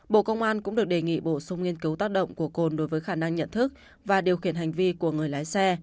bộ công an cũng được đề nghị bổ sung nghiên cứu tác động của cồn đối với khả năng nhận thức và điều khiển hành vi của người lái xe